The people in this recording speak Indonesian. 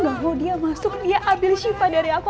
oh dia masuk dia ambil sifat dari aku